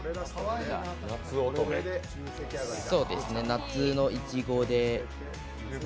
夏のいちごで。